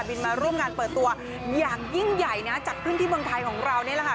มาร่วมงานเปิดตัวอย่างยิ่งใหญ่นะจัดขึ้นที่เมืองไทยของเรานี่แหละค่ะ